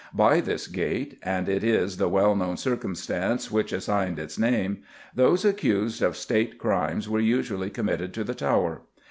By this gate and it is the well known circumstance which assigned its name those accused of State crimes were usually committed to the Tower.